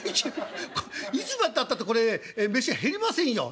いつまでたったってこれね飯減りませんよねえ？